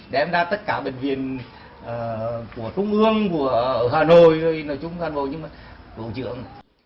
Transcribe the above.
đem ra tất cả bệnh viện của trung ương của hà nội nói chung hà nội nhưng mà vô trưởng